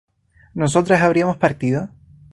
¿nosotras habríamos partido?